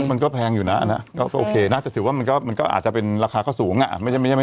มันก็แพงอยู่นะนะก็โอเคนะแต่ถือว่ามันก็อาจจะเป็นราคาก็สูงอ่ะ